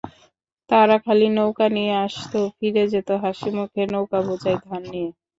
তারা খালি নৌকা নিয়ে আসত, ফিরে যেত হাসিমুখে, নৌকাবোঝাই ধান নিয়ে।